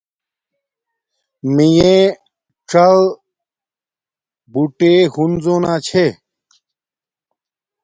میے څل بوٹے ہنزو نا چھے